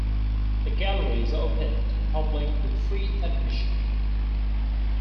The gallery is open to the public with free admission.